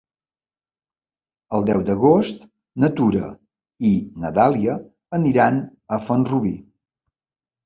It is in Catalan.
El deu d'agost na Tura i na Dàlia aniran a Font-rubí.